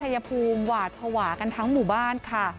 ชายภูมิหวาดภาวะกันทั้งหมู่บ้านค่ะ